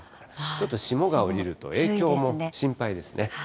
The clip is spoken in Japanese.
ちょっと霜が降りると影響も心配ですね。